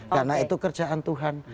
karena itu kerjaan tuhan